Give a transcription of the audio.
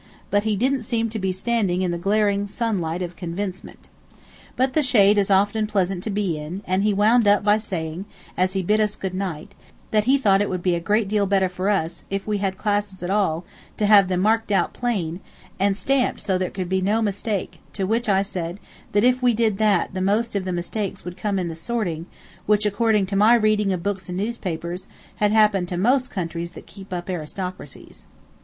but he didn't seem to be standing in the glaring sunlight of convincement. But the shade is often pleasant to be in, and he wound up by saying, as he bid us good night, that he thought it would be a great deal better for us, if we had classes at all, to have them marked out plain, and stamped so that there could be no mistake; to which I said that if we did that the most of the mistakes would come in the sorting, which, according to my reading of books and newspapers, had happened to most countries that keep up aristocracies.